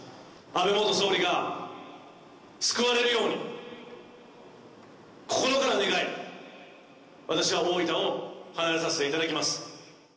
安倍元総理が救われるように、心から願い、私は大分を離れさせていただきます。